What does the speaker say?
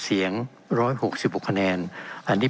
เป็นของสมาชิกสภาพภูมิแทนรัฐรนดร